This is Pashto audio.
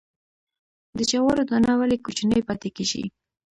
د جوارو دانه ولې کوچنۍ پاتې کیږي؟